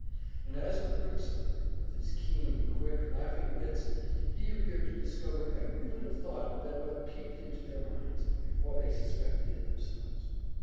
And as for Quicksilver, with his keen, quick, laughing wits, he appeared to discover every little thought that but peeped into their minds, before they suspected it themselves.